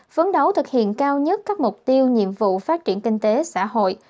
phấn đấu thực hiện cao nhất các mục tiêu nhiệm vụ phát triển kinh tế xã hội